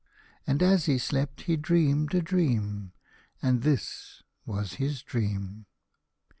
And as he slept he dreamed a dream, and this was his dream.